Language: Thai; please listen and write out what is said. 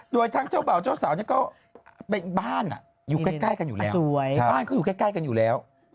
โดยทั้งเจ้าเปล่าเจ้าสาวนี่ก็บ้านอยู่ใกล้กันอยู่แล้ว